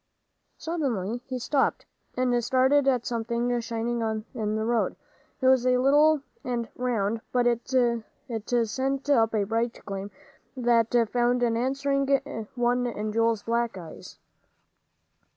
Suddenly he stopped, and stared at something shining in the road. It was little and round, but it sent up a bright gleam that found an answering one in Joel's black eyes.